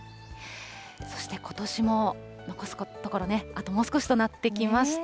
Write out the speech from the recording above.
そしてことしも残すところね、あともう少しとなってきました。